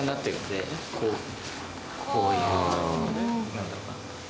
何だろな。